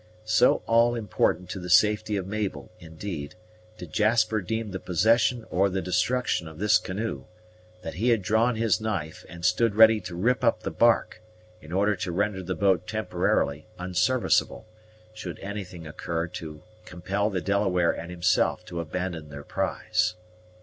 So all important to the safety of Mabel, indeed, did Jasper deem the possession or the destruction of this canoe, that he had drawn his knife, and stood ready to rip up the bark, in order to render the boat temporarily unserviceable, should anything occur to compel the Delaware and himself to abandon their prize.